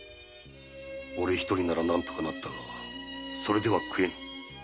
おれ一人なら何とかなったがそれでは食えぬ。